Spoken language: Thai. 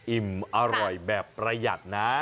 อิ่มอร่อยแบบประหยัดนะ